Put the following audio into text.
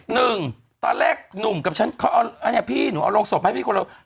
หนึ่งตอนแรกหนุ่มกับฉันเขาเอาอันนี้พี่หนูเอาโรงศพมาให้พี่คนเรา